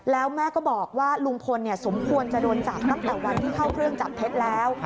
แล้วแม่ก็บอกว่าลุงพลสมควรจะโดนจับตั้งแต่วันที่เข้าเครื่องจับเท็จแล้ว